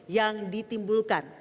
yang ditimbulkan oleh bapak bapak